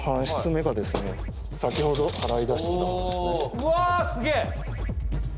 うわすげえ！